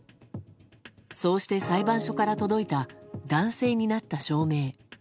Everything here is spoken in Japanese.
そうして裁判所から届いた男性になった証明。